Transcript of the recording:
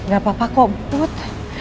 gak apa apa kok put